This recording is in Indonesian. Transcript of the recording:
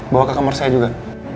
bawa ke kamar saya juga